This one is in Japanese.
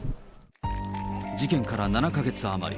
事件から７か月余り。